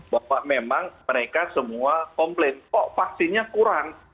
bahwa memang mereka semua komplain kok vaksinnya kurang